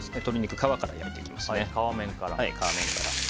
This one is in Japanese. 皮から焼いていきます。